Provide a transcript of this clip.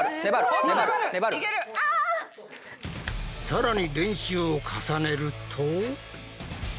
さらに練習を重ねると。